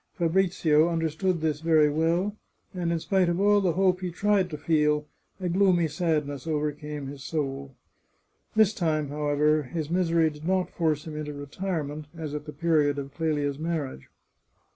Fa brizio understood this very well, and in spite of all the hope he tried to feel, a gloomy sadness overcame his soul. This time, however, his misery did not force him into retirement, as at the period of Clelia's marriage.